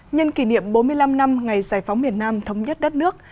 nhân kỷ niệm bốn mươi năm năm ngày giải phóng miền nam thống nhất đất nước